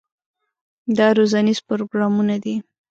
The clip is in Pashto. دا روزنیز پروګرامونه دي.